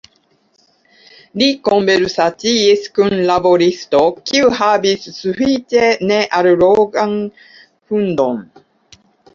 Li konversaciis kun laboristo, kiu havis sufiĉe neallogan hundon.